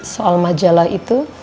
soal majalah itu